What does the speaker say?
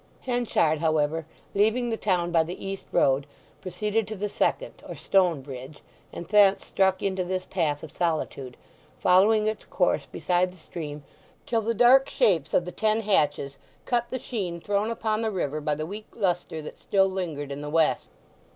Henchard, however, leaving the town by the east road, proceeded to the second, or stone bridge, and thence struck into this path of solitude, following its course beside the stream till the dark shapes of the Ten Hatches cut the sheen thrown upon the river by the weak lustre that still lingered in the west.